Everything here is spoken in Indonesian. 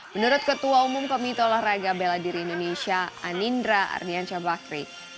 menurut ketua umum kementerian olahraga beladiri indonesia anindra ardianca bakri